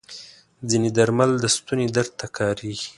ځینې درمل د ستوني درد ته کارېږي.